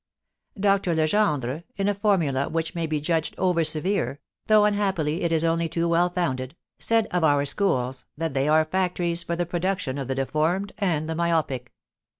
Doctor Legendre, in a formula which may be judged over severe, though unhappily it is only too well founded, said of our schools that they are factories for the production of the deformed and the myopic.